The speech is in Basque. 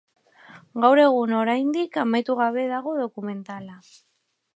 Gaur egun oraindik amaitu gabe dago dokumentala.